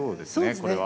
これは。